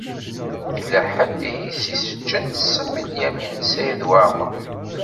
Yella ḥedd i s-iseččen ssem i Lyamin n Saɛid Waɛmeṛ.